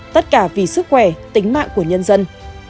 tất cả vì sức khỏe tính mạng của nhân dân